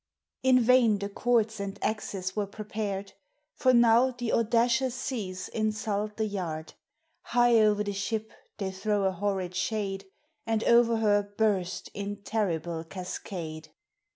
In vain the cords ami axes were prepared, For now the audacious seas insiih the yard; High o'er the ship they throw a horrid shade And o'er her burst in terrible cascade.